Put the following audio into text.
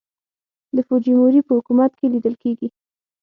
د فوجیموري په حکومت کې لیدل کېږي.